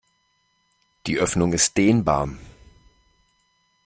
Die Öffnung ist dehnbar.